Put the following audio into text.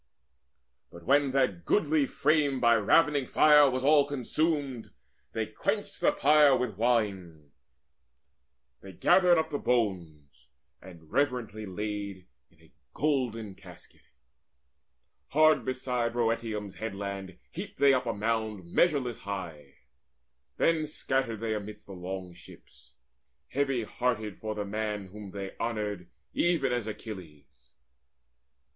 But when that goodly frame by ravening fire Was all consumed, they quenched the pyre with wine; They gathered up the bones, and reverently Laid in a golden casket. Hard beside Rhoeteium's headland heaped they up a mound Measureless high. Then scattered they amidst The long ships, heavy hearted for the man Whom they had honoured even as Achilles.